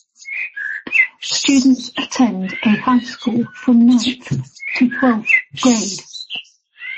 Students attend a high school from ninth to twelfth grade.